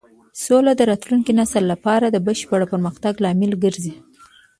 سوله د راتلونکي نسل لپاره د بشپړ پرمختګ لامل ګرځي.